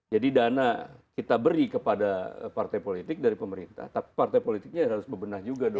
jadi dana kita beri kepada partai politik dari pemerintah tapi partai politiknya harus bebenah juga dong